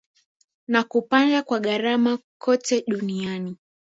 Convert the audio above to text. na kupanda kwa gharama kote duniani